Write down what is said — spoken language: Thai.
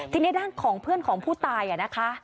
ทีนี้ด้านของเพื่อนของผู้ตายนะคะ